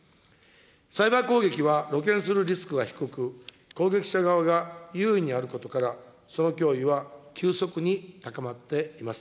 サイバー攻撃は露見するリスクが低く、攻撃者側が優位にあることから、その脅威は急速に高まっています。